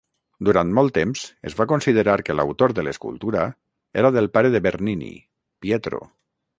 Durant molt temps, es va considerar que l'autor de l'escultura era del pare de Bernini, Pietro.